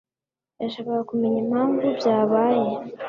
yashakaga kumenya impamvu byabaye.